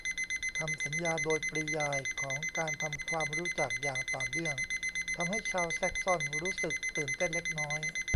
คำสัญญาโดยปริยายของการทำความรู้จักอย่างต่อเนื่องทำให้ชาวแซ็กซอนรู้สึกตื่นเต้นเล็กน้อย